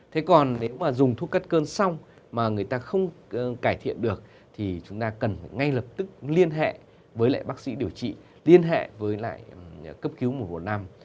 thế còn nếu mà dùng thuốc cắt cơn xong mà người ta không cải thiện được thì chúng ta cần phải ngay lập tức liên hệ với lại bác sĩ điều trị liên hệ với lại cấp cứu mùa một năm